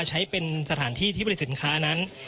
ใช้เป็นสถานที่ที่ผลิตสินค้านั้น